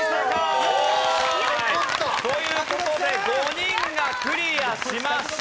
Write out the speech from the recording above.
啄木さん！という事で５人がクリアしました。